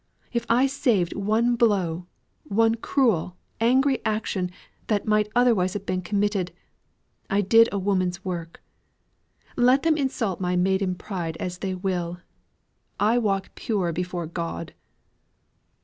If I saved one blow, one cruel, angry action that might otherwise have been committed, I did a woman's work. Let them insult my maiden pride as they will I walk pure before God!"